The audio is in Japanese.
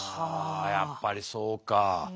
やっぱりそうか。